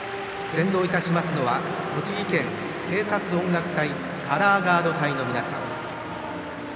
先導いたしますのは栃木県警察音楽隊カラーガード隊の皆さん。